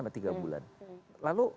atau tiga bulan lalu